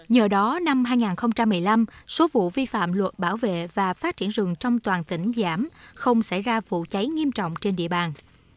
nhờ đó năm hai nghìn một mươi năm số vụ vi phạm luật bảo vệ và phát triển rừng trong toàn tỉnh giảm không xảy ra vụ cháy nghiêm trọng trên địa bàn